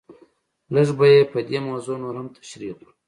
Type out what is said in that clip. لږ به یې په دې موضوع نور هم تشریح کړو.